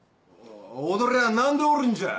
おおのれは何でおるんじゃ？